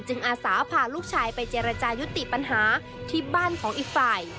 จึงอาสาผ่าลูกชายไปเจรจายุติปัญหาที่บ้านของอีฟไฟ